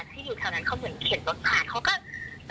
ก็น่าจะเป็นคนจีนเป็นคนจีนเลยอะค่ะเขาก็นั่งนั่งปวดทุกข์ไป